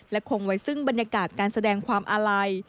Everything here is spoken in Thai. คงไว้ซึ่งบรรยากาศการแสดงความอาลัย